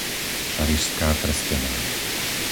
Šarišská Trstená